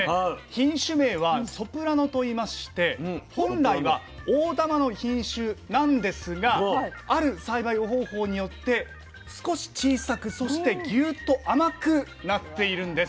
品種名は「ソプラノ」と言いまして本来は大玉の品種なんですがある栽培方法によって少し小さくそしてギュッと甘くなっているんです。